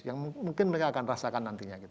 yang mungkin mereka akan rasakan nantinya